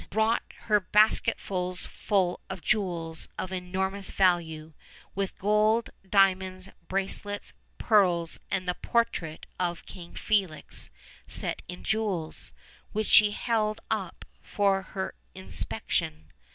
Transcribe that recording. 239 brought her baskets full of jewels of enormous value, with gold, diamonds, bracelets, pearls, and the portrait of King Felix, set in jewels, which she held up for her in spection.